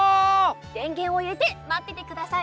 でんげんをいれてまっててくださいね。